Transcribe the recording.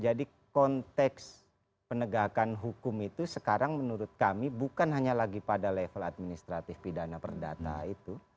jadi konteks penegakan hukum itu sekarang menurut kami bukan hanya lagi pada level administratif pidana perdata itu